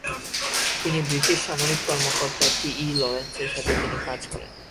তিনি ব্রিটিশ সামরিক কর্মকর্তা টি ই লরেন্সের সাথে তিনি কাজ করেন।